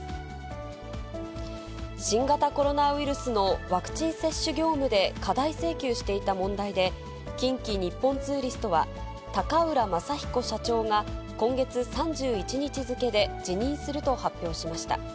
新型コロナウイルスのワクチン接種業務で過大請求していた問題で、近畿日本ツーリストは、高浦雅彦社長が今月３１日付で辞任すると発表しました。